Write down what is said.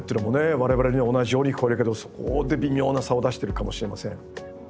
我々には同じように聞こえるけど微妙な差を出しているかもしれません。